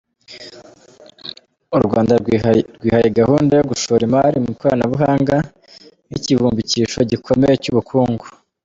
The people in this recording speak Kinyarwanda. U Rwanda rwihaye gahunda yo gushora imari mu ikoranabuhanga nk’ikivumbikisho gikomeye cy’ubukungu.